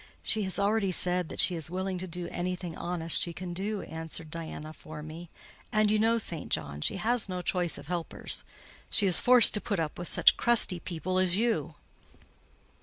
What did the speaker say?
"She has already said that she is willing to do anything honest she can do," answered Diana for me; "and you know, St. John, she has no choice of helpers: she is forced to put up with such crusty people as you."